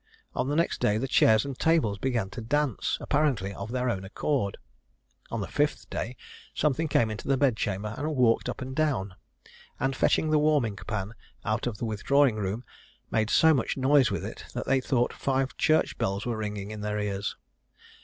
On the next day the chairs and tables began to dance, apparently of their own accord. On the fifth day, something came into the bedchamber and walked up and down, and fetching the warming pan out of the withdrawing room, made so much noise with it that they thought five church bells were ringing in their ears.